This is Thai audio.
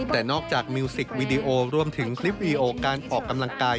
แต่นอกจากมิวสิกวีดีโอรวมถึงคลิปวีดีโอการออกกำลังกาย